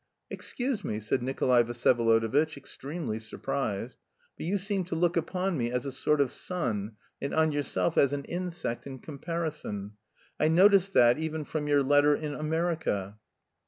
"Excuse me," said Nikolay Vsyevolodovitch, extremely surprised, "but you seem to look upon me as a sort of sun, and on yourself as an insect in comparison. I noticed that even from your letter in America."